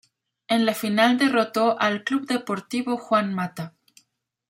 En la final derrotó al Club Deportivo Juan Mata.